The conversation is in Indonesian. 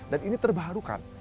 dan ini terbarukan